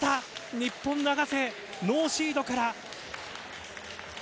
日本、永瀬、ノーシードから。